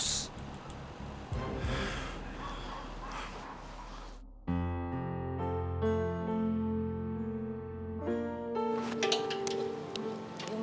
sekarang sedang menyakiti anakmu